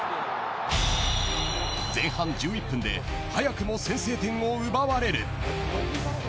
前半１１分で早くも先制点を奪われる。